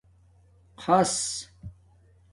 خص